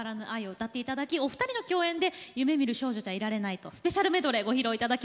歌っていただきお二人の共演で「夢見る少女じゃいられない」とスペシャルメドレーご披露いただきます。